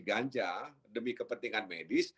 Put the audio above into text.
ganja demi kepentingan medis